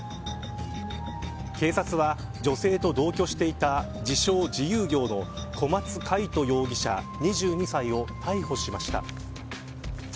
警察は女性と同居していた自称、自由業の小松魁人容疑者２２歳を逮捕しました。